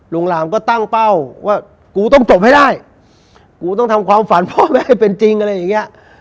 หลามก็ตั้งเป้าว่ากูต้องจบให้ได้กูต้องทำความฝันพ่อแม่ให้เป็นจริงอะไรอย่างเงี้ย